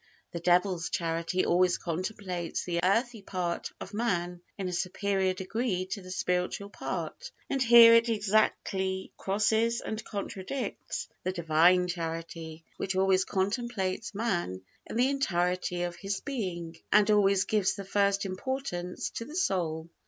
The devil's Charity always contemplates the earthy part of man in a superior degree to the spiritual part; and here it exactly crosses and contradicts the Divine Charity, which always contemplates man in the entirety of his being, and always gives the first importance to the soul.